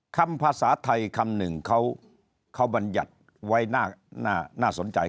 คำภาษาไทยคำหนึ่งเขาบรรยัติไว้น่าสนใจ